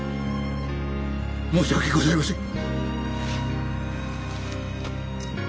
申し訳ございません。